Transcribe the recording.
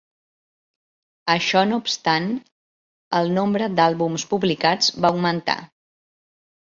Això no obstant, el nombre d'àlbums publicats va augmentar.